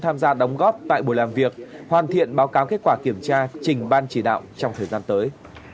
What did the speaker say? tham gia đóng góp tại buổi làm việc hoàn thiện báo cáo kết quả kiểm tra trình ban chỉ đạo trong thời gian tới